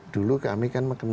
dulu kami kan mengurangi